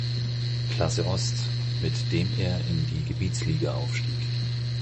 Klasse Ost, mit dem er in die "Gebietsliga" aufstieg.